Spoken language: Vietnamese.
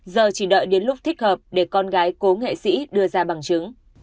giờ chỉ đợi đến lúc thích hợp để con gái cố nghệ sĩ đưa ra bằng chứng